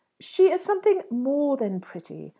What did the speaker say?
"She is something more than pretty.